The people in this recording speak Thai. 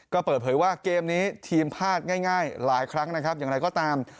ก็เปิดเผยว่าเกมนี้ทีมพลาดง่ายหลายครั้งนะครับอย่างไรก็ตาม